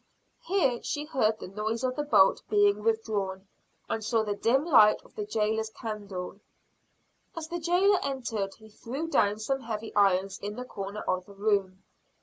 Here she heard the noise of the bolt being withdrawn, and saw the dim light of the jailer's candle. As the jailer entered he threw down some heavy irons in the corner of the room.